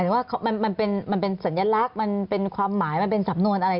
หรือว่ามันเป็นสัญลักษณ์มันเป็นความหมายมันเป็นสำนวนอะไร